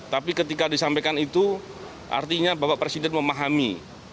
tapi ketika disampaikan itu artinya bapak presiden memahami